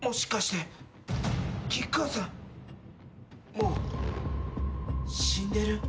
もう死んでる？